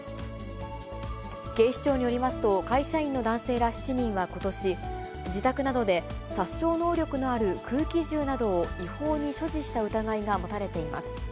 警視庁によりますと、会社員の男性ら７人はことし、自宅などで殺傷能力のある空気銃などを違法に所持した疑いが持たれています。